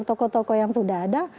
toko toko yang sudah ada